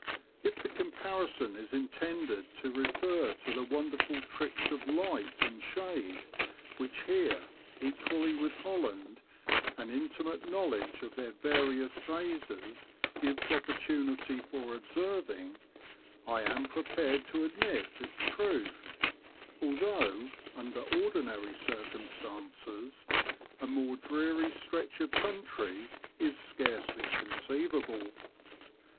If the comparison is intended to refer to the wonderful tricks of light and shade which here, equally irith Holland, an intimate knowledge of their various phases ^ves opportunity for observing, I am prepared to admit its truth, although under ordinary circumstances a more dreary stretch of country is scarcely conceivable.